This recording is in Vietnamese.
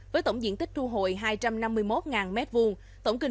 với tổng diện tích thu hội hai trăm năm mươi một m hai